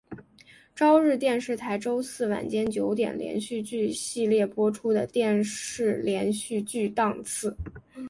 朝日电视台周四晚间九点连续剧系列播出的电视连续剧档次。